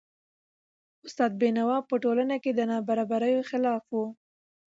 استاد بینوا په ټولنه کي د نابرابریو خلاف و .